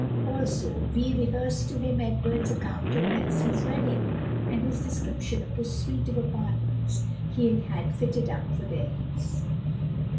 Also Vi rehearsed to him Edward's account of Elsie's wedding and his description of the suite of apartments he had had fitted up for their use.